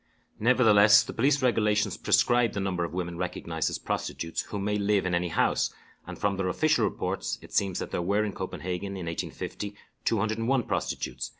Nevertheless, the police regulations prescribe the number of women recognized as prostitutes who may live in any house, and from their official reports, it seems that there were in Copenhagen in 1850 201 prostitutes.